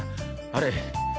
あれ？